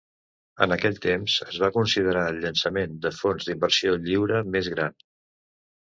En aquell temps, es va considerar el llançament de fons d'inversió lliure més gran.